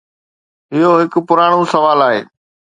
اهو هڪ پراڻو سوال آهي.